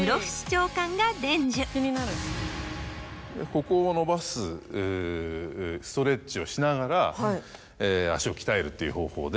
ここを伸ばすストレッチをしながら脚を鍛えるっていう方法で。